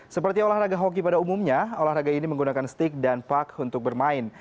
seperti olahraga hoki pada umumnya olahraga ini menggunakan stick dan park untuk bermain